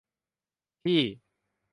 ที่